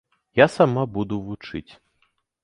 Я сама буду вучыць.